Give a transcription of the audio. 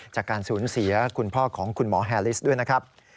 จากการสูญเสียคุณพ่อของคุณหมอแฮลิสด้วยนะครับ